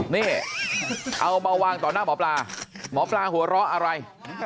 นี่เอามาวางต่อหน้าหมอปลาหมอปลาหัวเราะอะไร